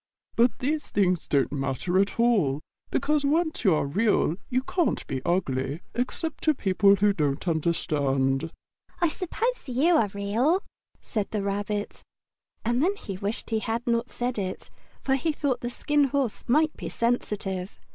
But these things don't matter at all, because once you are Real you can't be ugly, except to people who don't understand." "I suppose you are real?" said the Rabbit. And then he wished he had not said it, for he thought the Skin Horse might be sensitive.